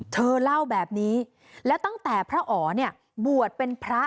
เธอเล่าแบบนี้แล้วตั้งแต่พระอ๋อเนี่ยบวชเป็นพระ